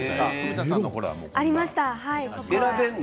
ありました。